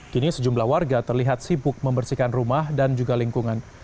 kini sejumlah warga terlihat sibuk membersihkan rumah dan juga lingkungan